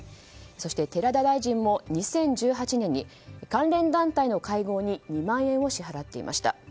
そして寺田大臣も２０１８年に関連団体の会合に２万円を支払っていました。